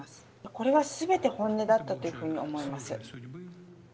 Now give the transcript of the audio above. これはすべて本音だったというふうに思います。